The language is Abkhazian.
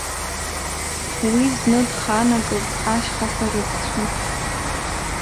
Уи зны дханагалт ашьхақәа рықәцәан.